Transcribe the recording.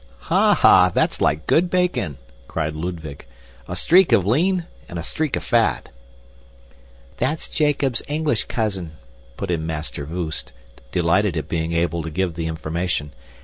"Ha! ha! That's like good bacon," cried Ludwig. "A streak of lean and a streak of fat." "That's Jacob's English cousin," put in Master Voost, delighted at being able to give the information.